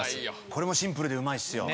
これもシンプルでうまいっすよ。